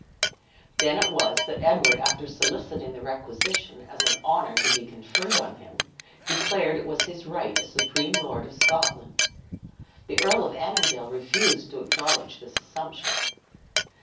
Then it was that Edward, after soliciting the requisition as an honor to be conferred on him, declared it was his right as supreme lord of Scotland. The Earl of Annandale refused to acknowledge this assumption.